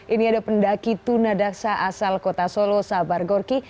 ini ada pendaki tunadaksa asal kota solo sabar gorki